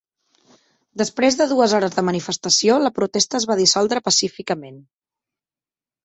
Després de dues hores de manifestació la protesta es va dissoldre pacíficament.